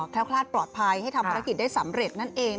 คลาดปลอดภัยให้ทำภารกิจได้สำเร็จนั่นเอง